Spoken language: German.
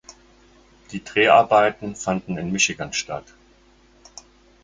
Die Dreharbeiten fanden in Michigan statt.